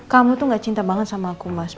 kamu tuh gak cinta banget sama aku mas